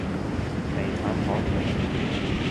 美团跑腿